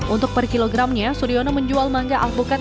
untuk per kilogramnya sudiono menjual mangga alpukat